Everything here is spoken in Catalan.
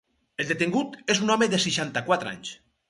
El detingut és un home de seixanta-quatre anys.